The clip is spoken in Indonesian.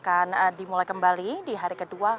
akan dimulai kembali di hari kedua